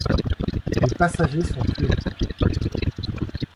Les passagers sont tués.